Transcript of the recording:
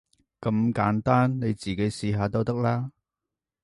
咁簡單，你自己試下都得啦